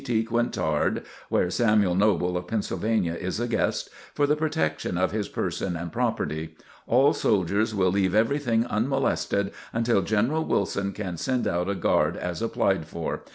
T. Quintard, (where Samuel Noble of Pennsylvania is a guest,) for the protection of his person and property. All soldiers will leave everything unmolested until General Wilson can send out a Guard as applied for.